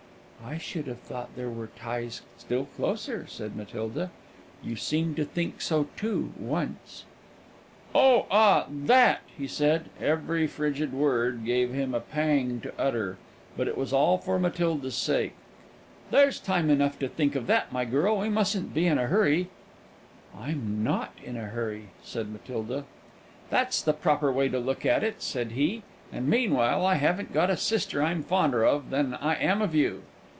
"I should have thought there were ties still closer," said Matilda; "you seemed to think so too, once." "Oh, ah! that!" he said. (Every frigid word gave him a pang to utter; but it was all for Matilda's sake.) "There's time enough to think of that, my girl; we mustn't be in a hurry." "I'm not in a hurry," said Matilda. "That's the proper way to look at it," said he; "and meanwhile I haven't got a sister I'm fonder of than I am of you."